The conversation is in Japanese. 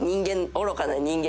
「愚かな人間？」